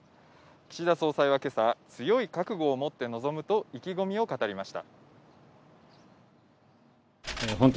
岸田総裁は今朝、強い覚悟を持って臨むと意気込みを語りました。